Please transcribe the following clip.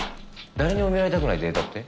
誰にも見られたくないデータって？